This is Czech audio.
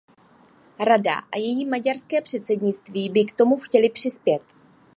Rada a její maďarské předsednictví by k tomu chtěly přispět.